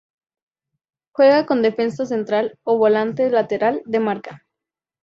Juega como defensa central o volante lateral de marca.